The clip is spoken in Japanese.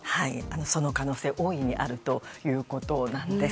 その可能性が大いにあるということなんです。